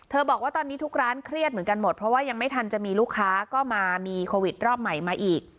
บอกว่าตอนนี้ทุกร้านเครียดเหมือนกันหมดเพราะว่ายังไม่ทันจะมีลูกค้าก็มามีโควิดรอบใหม่มาอีก